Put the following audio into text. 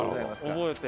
覚えて。